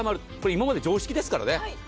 今まで常識ですからね。